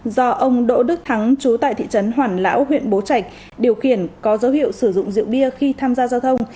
do ông đỗ đức thắng chú tại thị trấn hoàn lão huyện bố trạch điều khiển có dấu hiệu sử dụng rượu bia khi tham gia giao thông